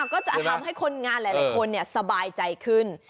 ก็จะทำให้คนงานหลายคนสบายใจขึ้น